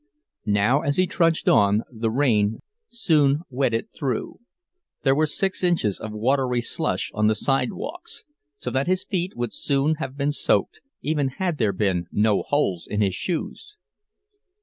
Now as he trudged on the rain soon wet it through; there were six inches of watery slush on the sidewalks, so that his feet would soon have been soaked, even had there been no holes in his shoes.